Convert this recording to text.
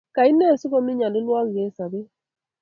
Kaine sigomii nyalilwogik eng sobet?